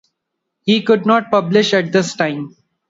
He could not publish at this time.